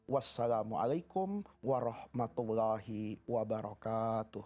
wassalamualaikum warahmatullahi wabarakatuh